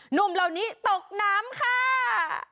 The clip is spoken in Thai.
หนุ่มเหล่านี้ตกน้ำค่ะ